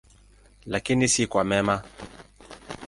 Lakini si kwa mema.